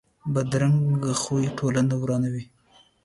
بدرنګه خوی ټولنه ورانوي